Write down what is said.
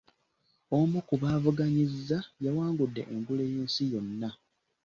Omu ku baavuganyizza yawangudde engule y'ensi yonna.